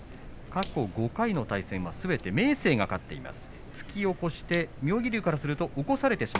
過去５回すべて明生が勝っています。